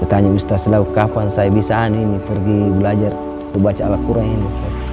saya tanya ustaz salawu kapan saya bisa ini pergi belajar untuk baca al quran ini